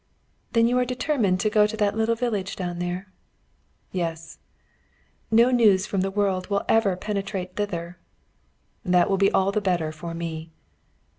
"Then you are determined to go to that little village down there?" "Yes." "No news from the world will ever penetrate thither." "That will be all the better for me."